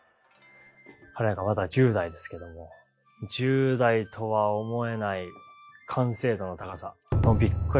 彼なんかまだ１０代ですけども１０代とは思えない完成度の高さ。